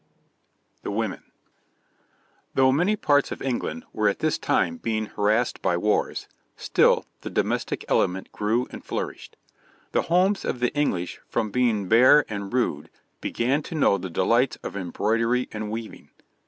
THE WOMEN [Illustration: {A woman of the time of Stephen}] Though many parts of England were at this time being harassed by wars, still the domestic element grew and flourished. The homes of the English from being bare and rude began to know the delights of embroidery and weaving.